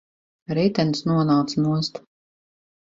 Ritenis nonāca nost.